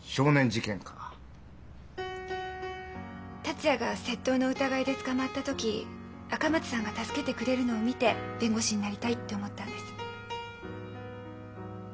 達也が窃盗の疑いで捕まった時赤松さんが助けてくれるのを見て弁護士になりたいって思ったんです。